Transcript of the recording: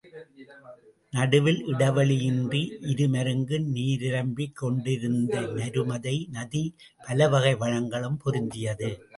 நடுவில் இடைவெளி யின்றி இருமருங்கும் நீர் நிரம்பிக் கொண்டிருந்த நருமதை நதி, பலவகை வளங்களும் பொருந்தியது.